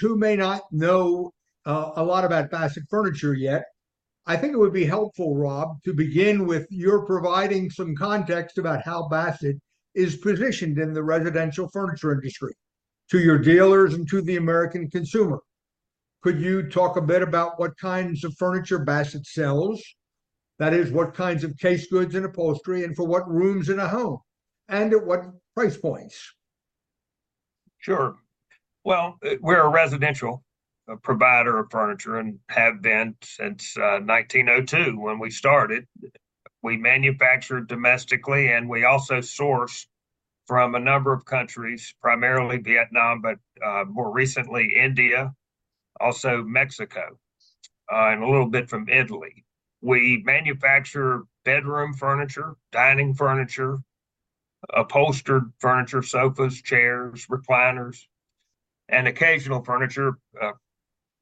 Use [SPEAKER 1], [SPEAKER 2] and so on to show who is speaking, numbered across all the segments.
[SPEAKER 1] Who may not know a lot about Bassett Furniture yet, I think it would be helpful, Rob, to begin with your providing some context about how Bassett is positioned in the residential furniture industry to your dealers and to the American consumer. Could you talk a bit about what kinds of furniture Bassett sells? That is, what kinds of case goods and upholstery, and for what rooms in a home, and at what price points?
[SPEAKER 2] Sure. Well, we're a residential provider of furniture and have been since 1902 when we started. We manufacture domestically, and we also source from a number of countries, primarily Vietnam, but more recently India, also Mexico, and a little bit from Italy. We manufacture bedroom furniture, dining furniture, upholstered furniture, sofas, chairs, recliners, and occasional furniture,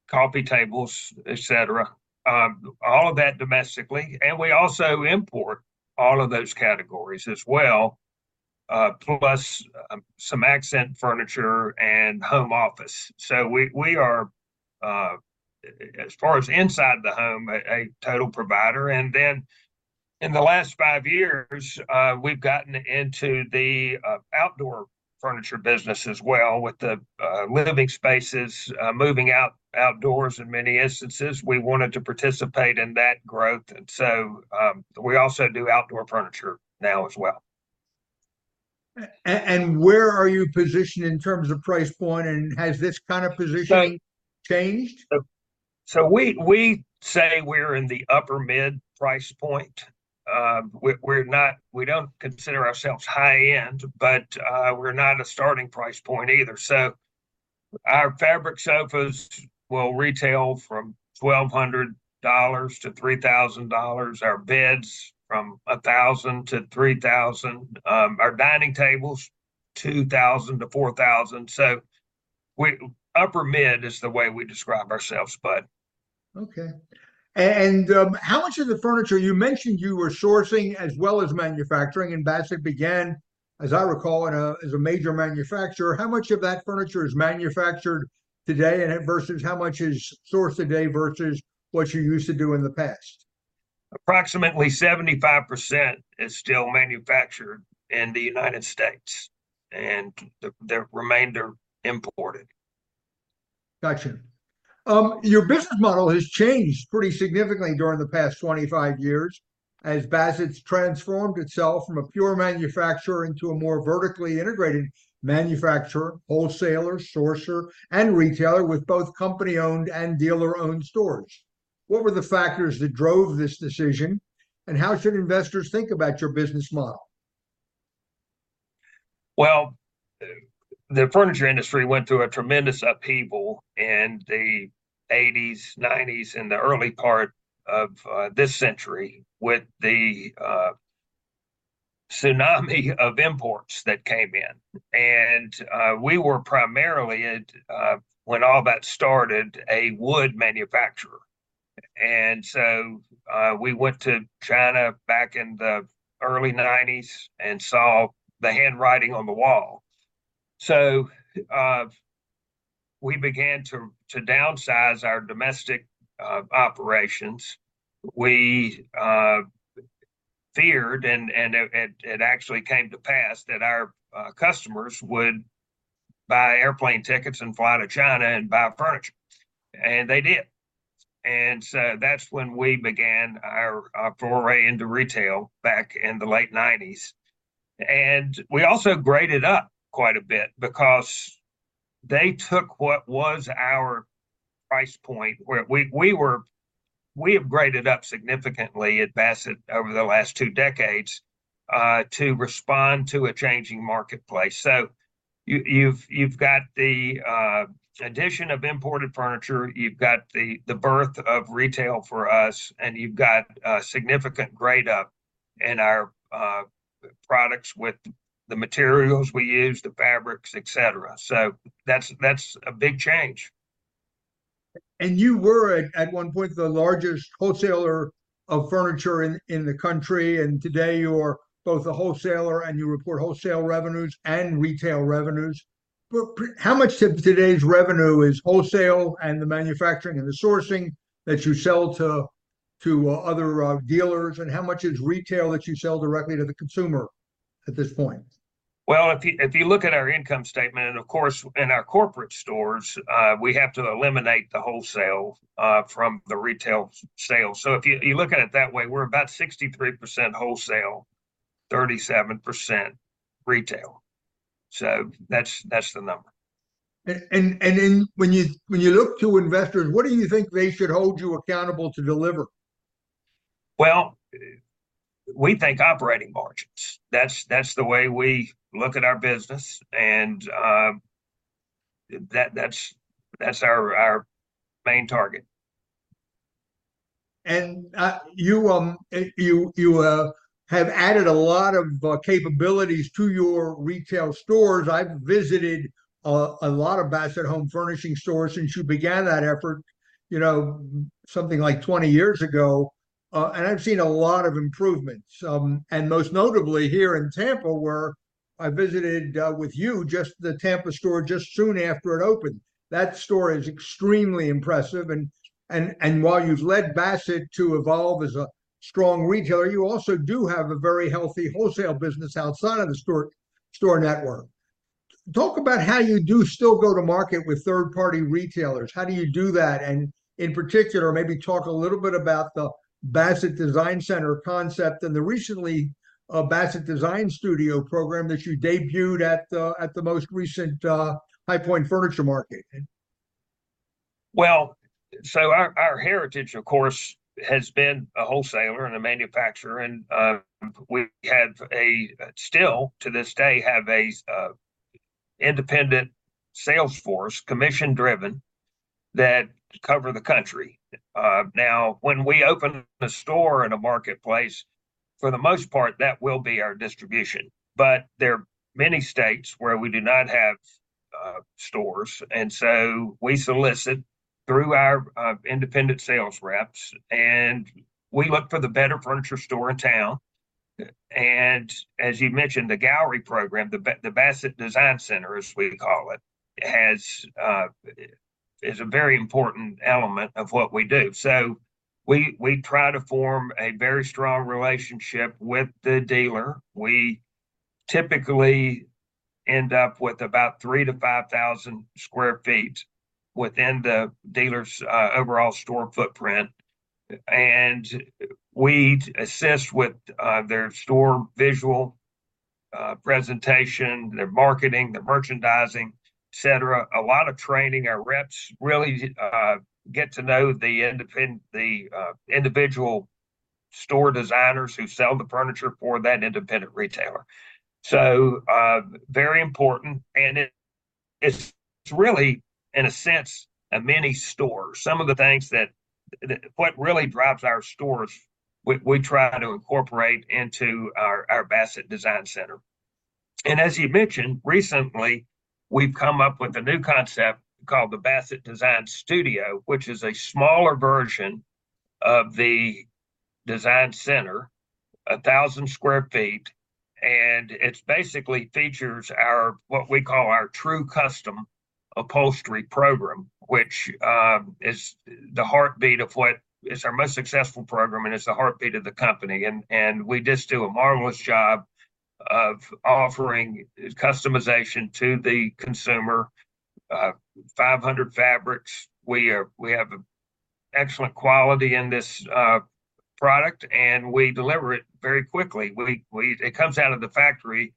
[SPEAKER 2] coffee tables, etc. All of that domestically. We also import all of those categories as well, plus some accent furniture and home office. So we, we are, as far as inside the home, a total provider. Then in the last five years, we've gotten into the outdoor furniture business as well with the living spaces moving outdoors in many instances. We wanted to participate in that growth. And so we also do outdoor furniture now as well.
[SPEAKER 1] Where are you positioned in terms of price point? And has this kind of position changed?
[SPEAKER 2] So we we say we're in the upper-mid price point. We don't consider ourselves high-end, but we're not a starting price point either. So our fabric sofas will retail from $1,200-$3,000. Our beds from $1,000-$3,000. Our dining tables, $2,000-$4,000. So upper-mid is the way we describe ourselves, but.
[SPEAKER 1] Okay. And how much of the furniture you mentioned you were sourcing as well as manufacturing? Bassett began, as I recall, as a major manufacturer. How much of that furniture is manufactured today versus how much is sourced today versus what you used to do in the past?
[SPEAKER 2] Approximately 75% is still manufactured in the United States, and the remainder imported.
[SPEAKER 1] Gotcha. Your business model has changed pretty significantly during the past 25 years as Bassett's transformed itself from a pure manufacturer into a more vertically integrated manufacturer, wholesaler, sourcer, and retailer with both company-owned and dealer-owned stores. What were the factors that drove this decision, and how should investors think about your business model?
[SPEAKER 2] Well, the furniture industry went through a tremendous upheaval in the 1980s, 1990s, in the early part of this century with the tsunami of imports that came in. And we were primarily, when all that started, a wood manufacturer. And so we went to China back in the early 1990s and saw the handwriting on the wall. So we began to downsize our domestic operations. We feared, and it actually came to pass that our customers would buy airplane tickets and fly to China and buy furniture. And they did. And so that's when we began our foray into retail back in the late 1990s. And we also graded up quite a bit because they took what was our price point. We were, we have graded up significantly at Bassett over the last two decades to respond to a changing marketplace. So you've got the addition of imported furniture, you've got the birth of retail for us, and you've got a significant grade-up in our products with the materials we use, the fabrics, etc. So that's that's a big change.
[SPEAKER 1] And you were, at one point, the largest wholesaler of furniture in the country. Today, you're both a wholesaler and you report wholesale revenues and retail revenues. But how much of today's revenue is wholesale and the manufacturing and the sourcing that you sell to to other dealers? And how much is retail that you sell directly to the consumer at this point?
[SPEAKER 2] Well, if you look at our income statement, and of course, in our corporate stores, we have to eliminate the wholesale from the retail sales. So if you look at it that way, we're about 63% wholesale, 37% retail. So that's that's the number.
[SPEAKER 1] And then when you look to investors, what do you think they should hold you accountable to deliver?
[SPEAKER 2] Well, we think operating margins. That's that's the way we look at our business. And that's that's our our main target.
[SPEAKER 1] And you, you have added a lot of capabilities to your retail stores. I've visited a lot of Bassett Home Furnishings stores since you began that effort, you know, something like 20 years ago. I've seen a lot of improvements. Most notably here in Tampa, where I visited with you just the Tampa store just soon after it opened. That store is extremely impressive. And and while you've led Bassett to evolve as a strong retailer, you also do have a very healthy wholesale business outside of the store, store network. Talk about how you do still go to market with third-party retailers. How do you do that? And in particular, maybe talk a little bit about the Bassett Design Center concept and the recently Bassett Design Studio program that you debuted at the, at the most recent High Point Furniture Market.
[SPEAKER 2] Well, so our our heritage, of course, has been a wholesaler and a manufacturer. And we still, to this day, have an independent sales force, commission-driven, that covers the country. Now, when we open a store in a marketplace, for the most part, that will be our distribution. But there are many states where we do not have stores. And so we solicit through our independent sales reps. And we look for the better furniture store in town. And as you mentioned, the gallery program, the Bassett Design Center, as we call it, is a very important element of what we do. So we we try to form a very strong relationship with the dealer. We typically end up with about 3,000-5,000 sq ft within the dealer's overall store footprint. And we assist with their store visual presentation, their marketing, their merchandising, etc. A lot of training. Our reps really get to know the individual store designers who sell the furniture for that independent retailer. So very important. And it's really, in a sense, a mini store. Some of the things that what really drives our stores, we try to incorporate into our our Bassett Design Center. And as you mentioned, recently, we've come up with a new concept called the Bassett Design Studio, which is a smaller version of the Design Center, 1,000 sq ft. And it basically features what we call our true custom upholstery program, which is the heartbeat of what is our most successful program and is the heartbeat of the company. And we just do a marvelous job of offering customization to the consumer. 500 fabrics. We have, we have excellent quality in this product, and we deliver it very quickly. When it comes out of the factory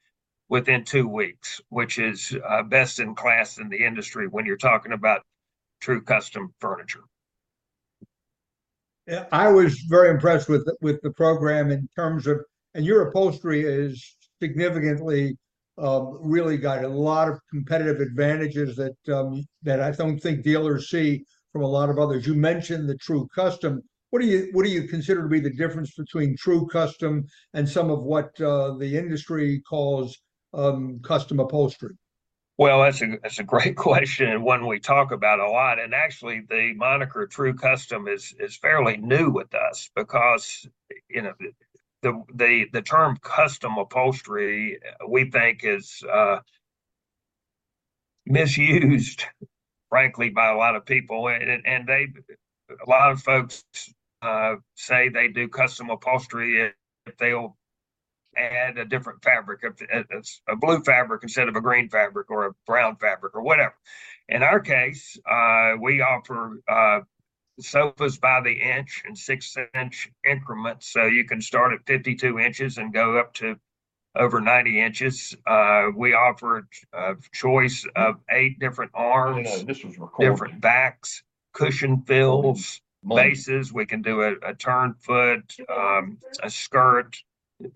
[SPEAKER 2] within 2 weeks, which is best in class in the industry when you're talking about true custom furniture.
[SPEAKER 1] I was very impressed with the program in terms of, and your upholstery has significantly really got a lot of competitive advantages that I, that I don't think dealers see from a lot of others. You mentioned the true custom. What do you, what do you consider to be the difference between true custom and some of what the industry calls custom upholstery?
[SPEAKER 2] Well, that's a great question and one we talk about a lot. And actually, the moniker true custom is fairly new with us because, you know, the term custom upholstery, we think, is misused, frankly, by a lot of people. And a lot of folks say they do custom upholstery if they'll add a different fabric, a blue fabric instead of a green fabric or a brown fabric or whatever. In our case, we offer sofas by the inch in 6-inch increments. So you can start at 52 inches and go up to over 90 inches. We offer a choice of 8 different arms, different backs, cushion fills, bases. We can do a turned foot, a skirt,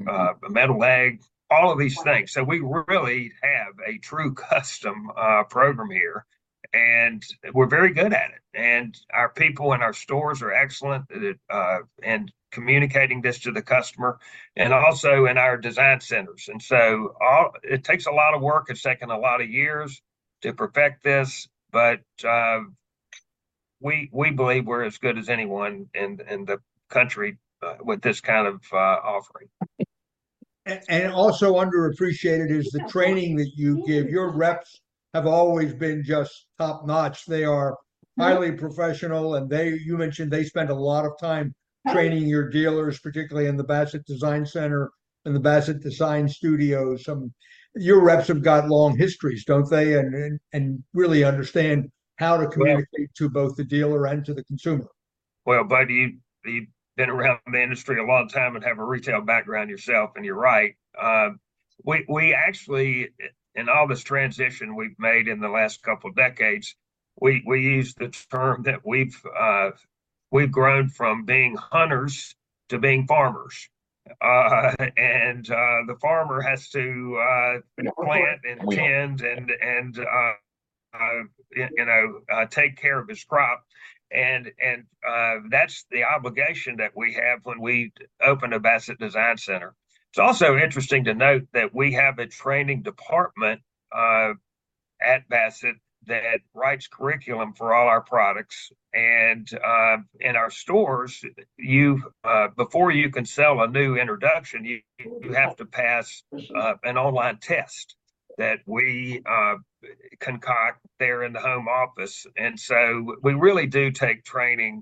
[SPEAKER 2] a metal leg, all of these things. So we really have a true custom program here. And we're very good at it. And our people in our stores are excellent in communicating this to the customer and also in our design centers. And so it takes a lot of work. It's taken a lot of years to perfect this. But we, we believe we're as good as anyone in the, in the country with this kind of offering.
[SPEAKER 1] And also underappreciated is the training that you give. Your reps have always been just top-notch. They are highly professional. You mentioned they spend a lot of time training your dealers, particularly in the Bassett Design Center and the Bassett Design Studios. Your reps have got long histories, don't they, and really understand how to communicate to both the dealer and to the consumer.
[SPEAKER 2] Well, Buddy, you've been around the industry a long time and have a retail background yourself. And you're right. We actually, in all this transition we've made in the last couple of decades, we use the term that we've grown from being hunters to being farmers. And the farmer has to plant and tend and and take care of his crop. And that's the obligation that we have when we open a Bassett Design Center. So it's also interesting to note that we have a training department at Bassett that writes curriculum for all our products. And in our stores, before you can sell a new introduction, you have to pass an online test that we concoct there in the home office. And so we really do take training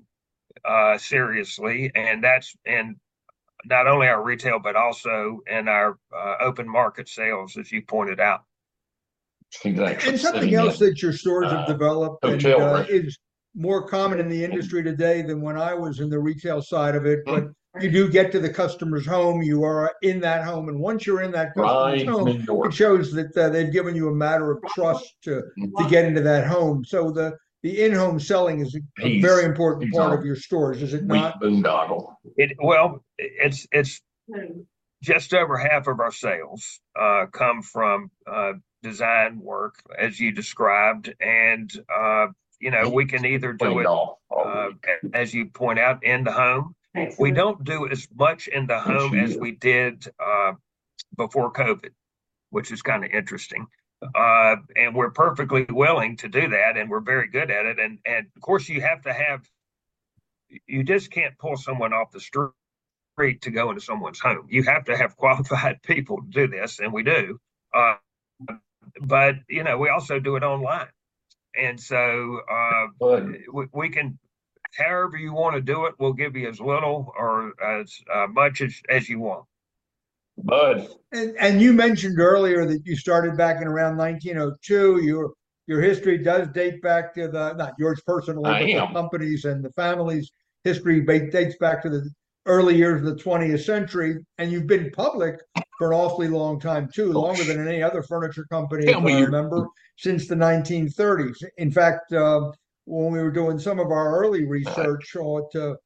[SPEAKER 2] seriously. And that's not only our retail, but also in our open market sales, as you pointed out.
[SPEAKER 1] Something else that your stores have developed is more common in the industry today than when I was in the retail side of it. You do get to the customer's home. You are in that home. And once you're in that customer's home, it shows that they've given you a matter of trust to get into that home. So the in-home selling is a very important part of your stores, is it not?
[SPEAKER 2] Well, it's it's just over half of our sales come from design work, as you described. And you know, we can either do it, as you point out, in the home. We don't do as much in the home as we did before COVID, which is kind of interesting. And we're perfectly willing to do that, and we're very good at it. And of course, you have to have, you just can't pull someone off the street to go into someone's home. You have to have qualified people to do this, and we do. But you know, we also do it online. And so we can, however you want to do it, we'll give you as little or as much as you want.
[SPEAKER 1] And you mentioned earlier that you started back in around 1902. Your your history does date back to the, not your personal, company's and the family's history. It dates back to the early years of the 20th century. And you've been public for an awfully long time, too, longer than any other furniture company I can remember since the 1930s. In fact, when we were doing some of our early research to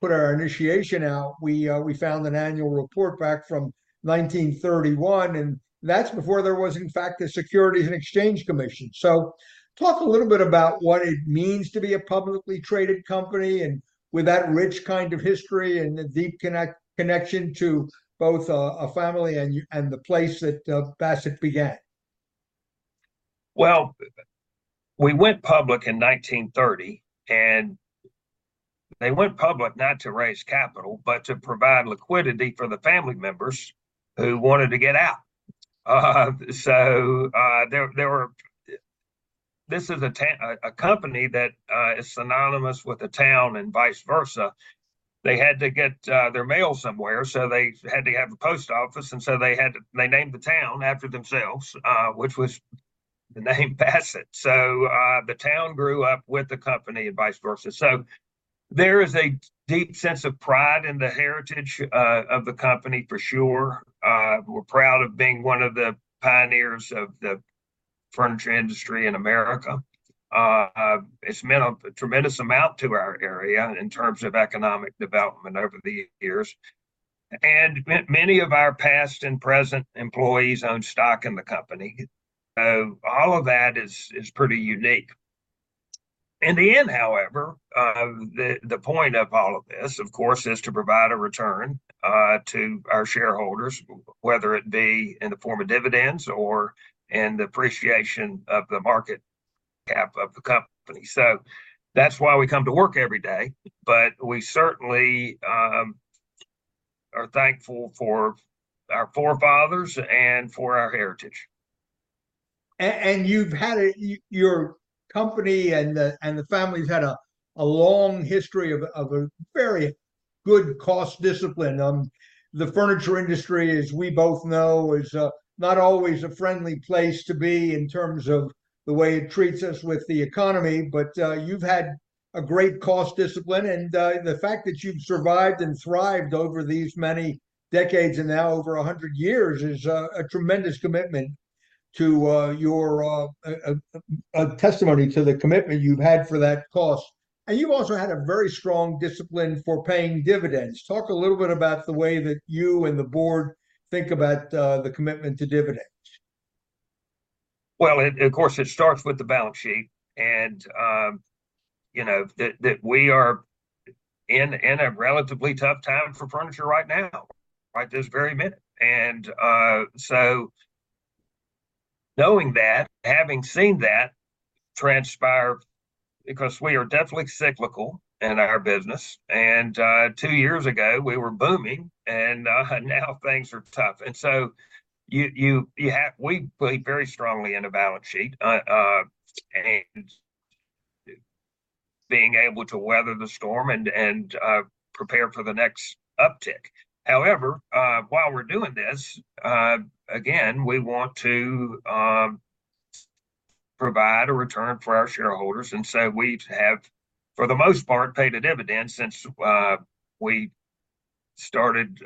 [SPEAKER 1] put our initiation out, we found an annual report back from 1931. And that's before there was, in fact, the Securities and Exchange Commission. So talk a little bit about what it means to be a publicly traded company and with that rich kind of history and the deep connection to both a family and the place that Bassett began.
[SPEAKER 2] Well, we went public in 1930. And they went public not to raise capital, but to provide liquidity for the family members who wanted to get out. So this is a company that is synonymous with a town and vice versa. They had to get their mail somewhere. So they had to have a post office. So they named the town after themselves, which was the name Bassett. So the town grew up with the company and vice versa. So there is a deep sense of pride in the heritage of the company, for sure. We're proud of being one of the pioneers of the furniture industry in America. It's meant a tremendous amount to our area in terms of economic development over the years. And many of our past and present employees own stock in the company. All of that is pretty unique. In the end, however, the point of all of this, of course, is to provide a return to our shareholders, whether it be in the form of dividends or in the appreciation of the market cap of the company. So that's why we come to work every day. But we certainly are thankful for our forefathers and for our heritage.
[SPEAKER 1] And your company and the family have had a long history of a very good cost discipline. The furniture industry, as we both know, is not always a friendly place to be in terms of the way it treats us with the economy. But you've had a great cost discipline. And the fact that you've survived and thrived over these many decades and now over 100 years is a tremendous testament to the commitment you've had for that cost. And you've also had a very strong discipline for paying dividends. Talk a little bit about the way that you and the board think about the commitment to dividends.
[SPEAKER 2] Well, of course, it starts with the balance sheet. You know, we are in a relatively tough time for furniture right now, right this very minute. So knowing that, having seen that transpire, because we are definitely cyclical in our business. Two years ago, we were booming. And now things are tough. And so we believe very strongly in a balance sheet and being able to weather the storm and and prepare for the next uptick. However, while we're doing this, again, we want to provide a return for our shareholders. And so we have, for the most part, paid a dividend since we started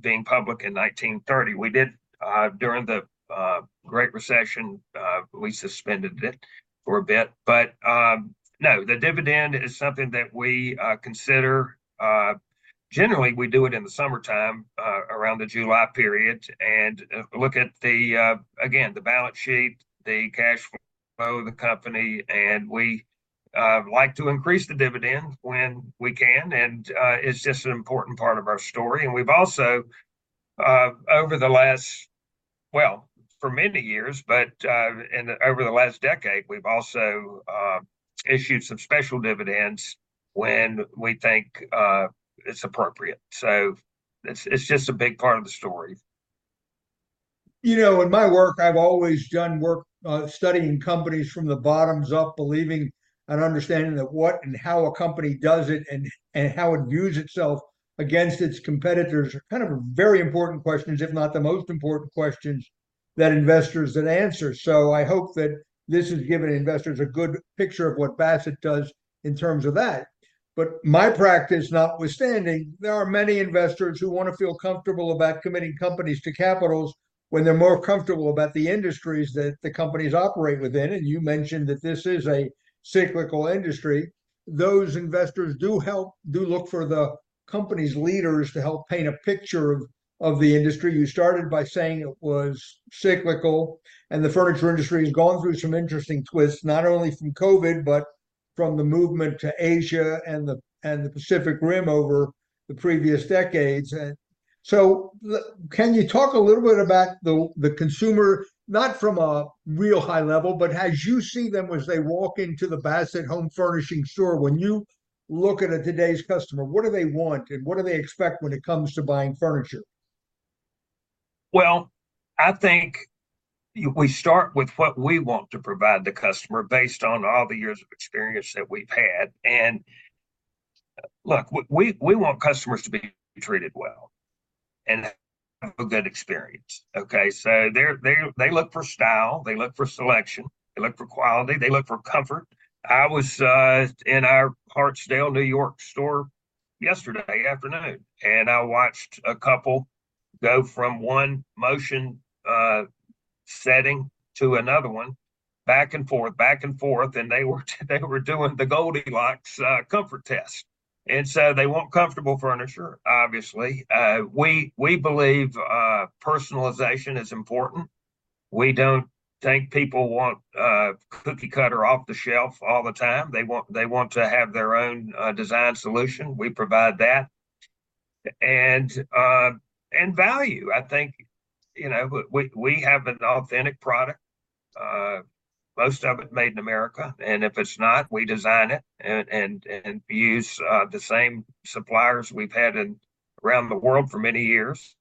[SPEAKER 2] being public in 1930. We did, during the Great Recession, we suspend it for a bit. But no, the dividend is something that we consider. Generally, we do it in the summertime, around the July period. And look at the, again, the balance sheet, the cash flow of the company. And we like to increase the dividend when we can. It's just an important part of our story. We've also, over the last, well, for many years, but over the last decade, we've also issued some special dividends when we think it's appropriate. So it's just a big part of the story.
[SPEAKER 1] You know, in my work, I've always done work studying companies from the bottoms up, believing and understanding that what and how a company does it and how it views itself against its competitors are kind of very important questions, if not the most important questions that investors that answer. So I hope that this has given investors a good picture of what Bassett does in terms of that. But my practice, notwithstanding, there are many investors who want to feel comfortable about committing companies to capitals when they're more comfortable about the industries that the companies operate within. You mentioned that this is a cyclical industry. Those investors do help, do look for the company's leaders to help paint a picture of the industry. You started by saying it was cyclical. And the furniture industry has gone through some interesting twists, not only from COVID, but from the movement to Asia and and the Pacific Rim over the previous decades. So can you talk a little bit about the consumer, not from a real high level, but as you see them as they walk into the Bassett Home Furnishings store, when you look at today's customer, what do they want and what do they expect when it comes to buying furniture?
[SPEAKER 2] Well, I think we start with what we want to provide the customer based on all the years of experience that we've had. And look, we we want customers to be treated well and have a good experience. Okay? So they they look for style. They look for selection. They look for quality. They look for comfort. I was in our Hartsdale, New York store yesterday afternoon. And I watched a couple go from one motion setting to another one, back and forth, back and forth. And they were doing the Goldilocks comfort test. And so they want comfortable furniture, obviously. We we believe personalization is important. We don't think people want cookie cutter off the shelf all the time. They want, they want to have their own design solution. We provide that. And, and value. I think, you know, we have an authentic product, most of it made in America. And if it's not, we design it and and use the same suppliers we've had around the world for many years.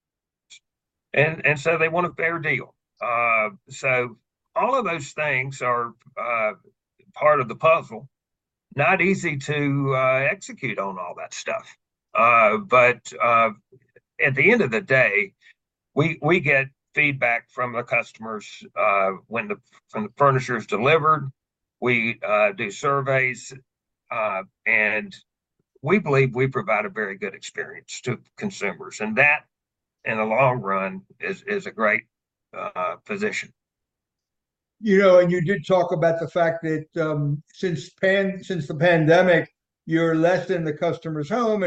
[SPEAKER 2] And so they want a fair deal. All of those things are part of the puzzle. Not easy to execute on all that stuff. But at the end of the day, we we get feedback from the customers when the furniture is delivered. We do surveys. And we believe we provide a very good experience to consumers. And that, in the long run, is is a great position.
[SPEAKER 1] You know, you did talk about the fact that since then, since the pandemic, you're less in the customer's home.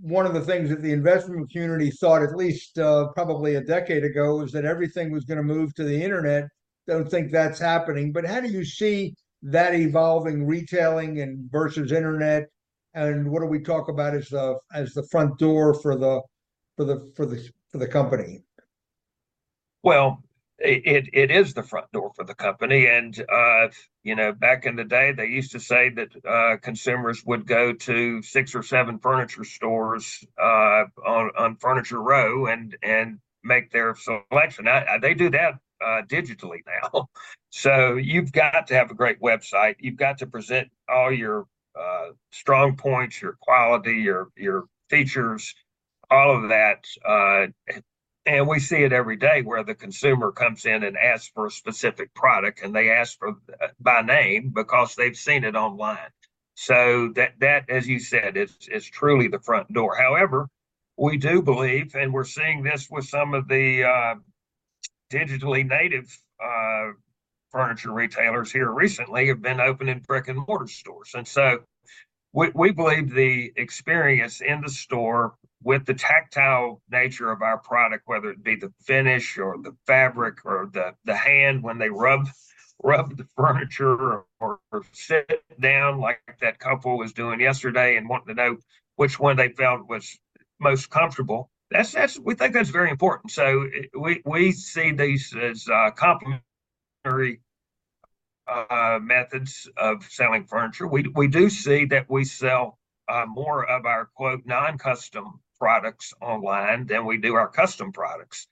[SPEAKER 1] One of the things that the investment community thought, at least probably a decade ago, was that everything was going to move to the internet. Don't think that's happening. But how do you see that evolving retailing and versus internet? What do we talk about as the front door for the, for the company?
[SPEAKER 2] Well, it is the front door for the company. Back in the day, they used to say that consumers would go to six or seven furniture stores on Furniture Row and and make their selection. And they do that digitally now. So you've got to have a great website. You've got to present all your strong points, your quality, your your features, all of that. And we see it every day where the consumer comes in and asks for a specific product. And they ask by name because they've seen it online. So that, as you said, is truly the front door. However, we do believe, and we're seeing this with some of the digitally native furniture retailers here recently have been opening brick-and-mortar stores. And so we believe the experience in the store with the tactile nature of our product, whether it be the finish or the fabric or the hand when they rub the furniture or sit down like that couple was doing yesterday and wanting to know which one they felt was most comfortable, we think that's very important. So we see these as complementary methods of selling furniture. We do see that we sell more of our "non-custom" products online than we do our custom products.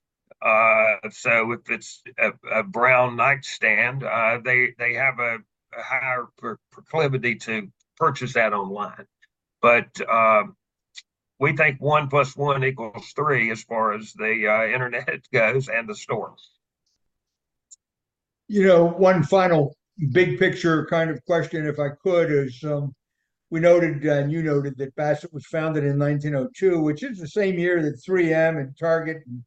[SPEAKER 2] So if it's a brown nightstand, they have a higher proclivity to purchase that online. But we think one plus one equals three as far as the internet goes and the store.
[SPEAKER 1] You know, one final big picture kind of question, if I could, is we noted, and you noted, that Bassett was founded in 1902, which is the same year that 3M and Target and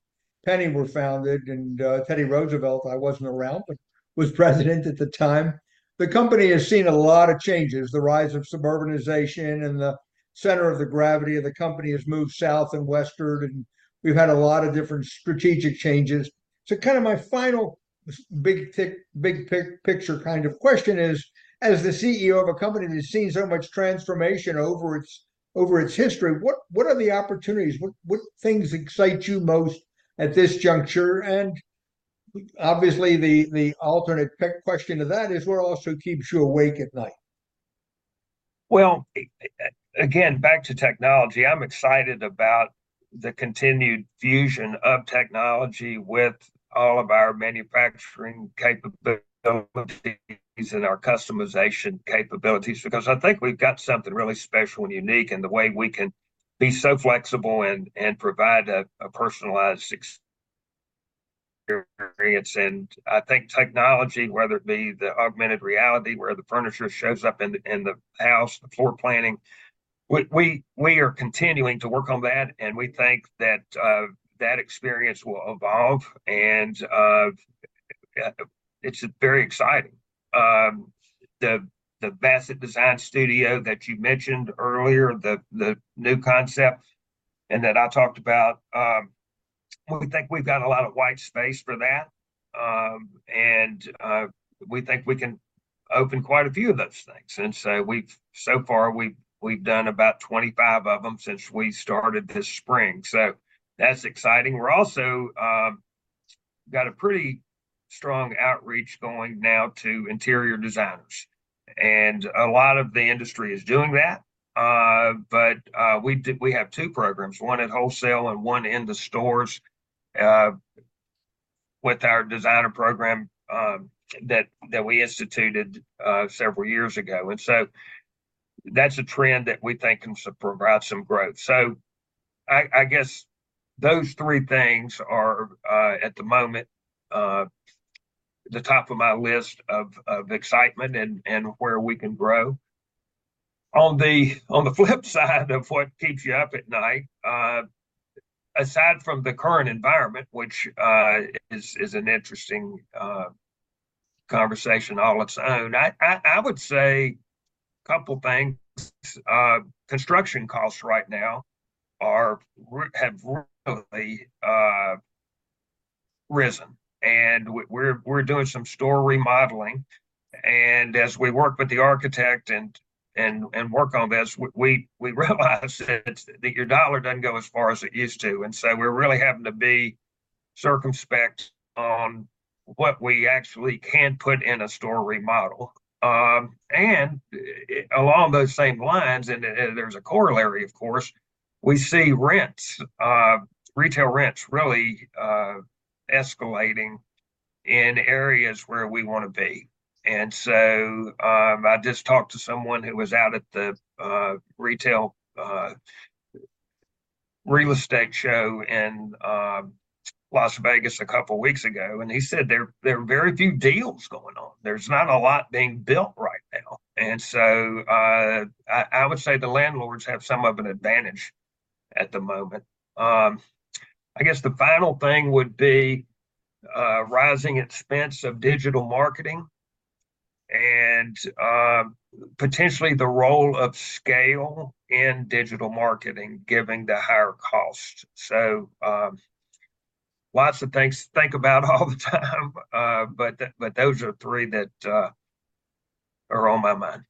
[SPEAKER 1] JCPenney were founded. And Teddy Roosevelt, I wasn't around, but was president at the time. The company has seen a lot of changes, the rise of suburbanization, and the center of the gravity of the company has moved south and western. We've had a lot of different strategic changes. So kind of my final big picture kind of question is, as the CEO of a company that's seen so much transformation over over its history, what what are the opportunities? What things excite you most at this juncture? And obviously, the alternate question to that is what also keeps you awake at night.
[SPEAKER 2] Well, again, back to technology. I'm excited about the continued fusion of technology with all of our manufacturing capabilities and our customization capabilities because I think we've got something really special and unique in the way we can be so flexible and provide a personalized experience. And I think technology, whether it be the augmented reality where the furniture shows up in the house, the floor planning, we we are continuing to work on that. And we think that that experience will evolve. And it's very exciting. The Bassett Design Studio that you mentioned earlier, the the new concept and that I talked about, we think we've got a lot of white space for that. And we think we can open quite a few of those things. And so far, we've done about 25 of them since we started this spring. So that's exciting. We've also got a pretty strong outreach going now to interior designers. And a lot of the industry is doing that. But we have two programs, one at wholesale and one in the stores with our designer program that we instituted several years ago. And so that's a trend that we think can provide some growth. So I guess those three things are, at the moment, the top of my list of excitement and and where we can grow. On the flip side of what keeps you up at night, aside from the current environment, which is an interesting conversation all its own, I would say a couple of things. Construction costs right now have really risen. And we're doing some store remodeling. And as we work with the architect and and work on this, we realize that your dollar doesn't go as far as it used to. And so we're really having to be circumspect on what we actually can put in a store remodel. And along those same lines, and there's a corollary, of course, we see rents, retail rents really escalating in areas where we want to be. And so I just talked to someone who was out at the retail real estate show in Las Vegas a couple of weeks ago. And he said there are very few deals going on. There's not a lot being built right now. And so I would say the landlords have some of an advantage at the moment. I guess the final thing would be rising expense of digital marketing and potentially the role of scale in digital marketing, giving the higher cost. So lots of things to think about all the time. But but those are three that are on my mind.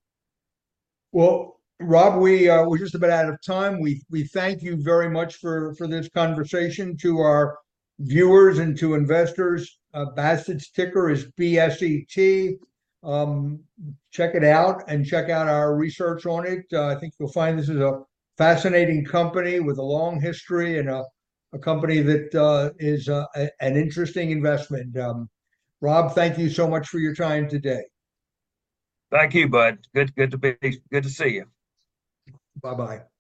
[SPEAKER 1] Well, Rob, we're just about out of time. We thank you very much for for this conversation to our viewers and to investors. Bassett's ticker is BSET. Check it out and check out our research on it. I think you'll find this is a fascinating company with a long history and a company that is an interesting investment. Rob, thank you so much for your time today.
[SPEAKER 2] Thank you, Budd. Good to see you.
[SPEAKER 1] Bye-bye.
[SPEAKER 2] Bye-bye.